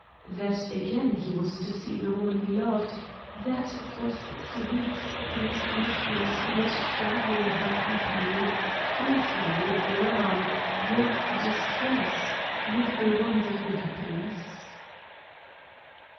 That again he was to see the woman he loved, that for six weeks through summer seas he would travel in her company, filled him with alarm, with distress, with a wonderful happiness.